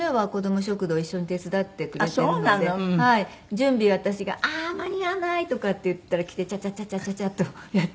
準備私が「ああ間に合わない」とかって言ったら来てチャチャチャチャチャチャッとやってくれます。